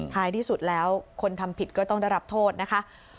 ท้ายที่สุดแล้วคนทำผิดก็ต้องได้รับโทษนะคะ